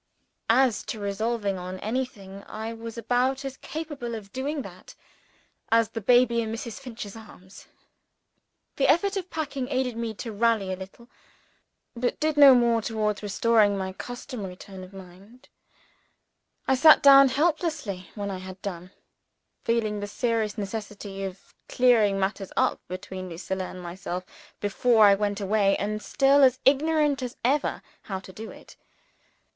As to resolving on anything, I was about as capable of doing that as the baby in Mrs. Finch's arms. The effort of packing aided me to rally a little but did no more towards restoring me to my customary tone of mind. I sat down helplessly, when I had done; feeling the serious necessity of clearing matters up between Lucilla and myself, before I went away, and still as ignorant as ever how to do it.